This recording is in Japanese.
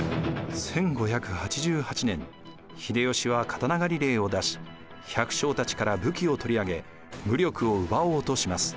１５８８年秀吉は刀狩令を出し百姓たちから武器を取り上げ武力を奪おうとします。